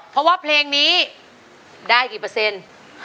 เพราะว่าเพลงนี้ได้กี่เปอร์เซ็นต์